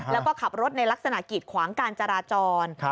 แล้วก็ขับรถในลักษณะกีดขวางการจราจร